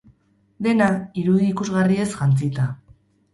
Dena, irudi ikusgarriez jantzita.